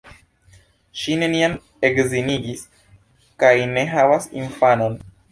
Ŝi neniam edzinigis kaj ne havas infanon.